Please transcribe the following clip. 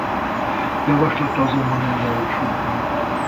Javaslata azonban nem valósult meg.